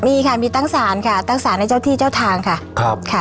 มีค่ะมีตั้งศาลค่ะตั้งสารให้เจ้าที่เจ้าทางค่ะครับค่ะ